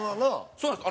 そうなんです。